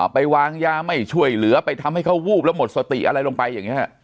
ไปวางยาไม่ช่วยเหลือไปทำให้เขาวูบแล้วหมดสติอะไรลงไปอย่างนี้